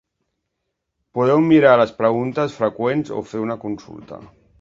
Podeu mirar les preguntes freqüents o fer una consulta.